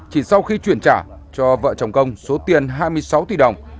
chỉ sau khi chuyển trả cho vợ chồng công số tiền hai mươi sáu tỷ đồng